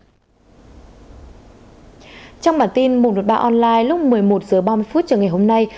trong bản tin một trăm một mươi ba online lúc một mươi một h ba mươi phút trường ngày hôm nay